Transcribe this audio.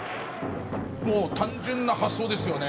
もう単純な発想ですよね。